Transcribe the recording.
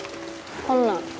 こんなん。